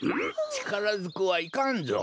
ちからずくはいかんぞ。